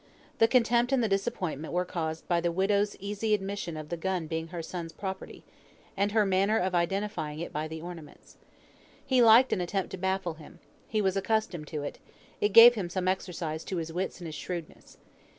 The contempt and the disappointment were caused by the widow's easy admission of the gun being her son's property, and her manner of identifying it by the ornaments. He liked an attempt to baffle him; he was accustomed to it; it gave some exercise to his wits and his shrewdness.